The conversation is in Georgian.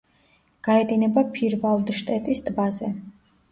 გაედინება ფირვალდშტეტის ტბაზე.